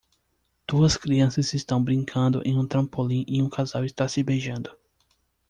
Duas crianças estão brincando em um trampolim e um casal está se beijando.